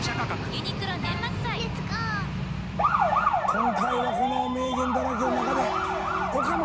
今回はこの名言だらけの中で岡野！